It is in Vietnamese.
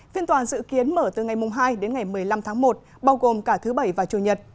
phiên toàn dự kiến mở từ ngày hai đến ngày một mươi năm tháng một bao gồm cả thứ bảy và chủ nhật